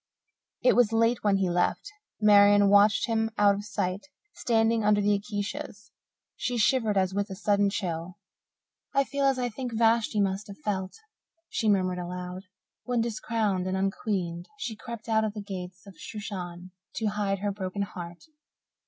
It was late when he left. Marian watched him out of sight, standing under the acacias. She shivered as with a sudden chill. "I feel as I think Vashti must have felt," she murmured aloud, "when, discrowned and unqueened, she crept out of the gates of Shushan to hide her broken heart.